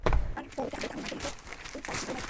আমার পরবর্তী ছবিতে আমি মাইকের মতো পনিটেল চাই, কী হল মাইক?